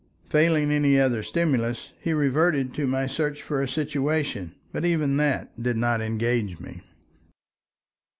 Failing any other stimulus, he reverted to my search for a situation, but even that did not engage me.